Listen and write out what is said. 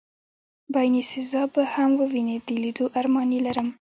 باینیسیزا به هم ووینې، د لېدو ارمان یې لرم.